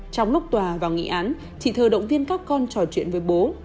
trong lúc tòa và nghị án chị thơ động viên các con trò chuyện với bố